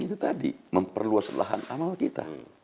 itu tadi memperluas lahan amal kita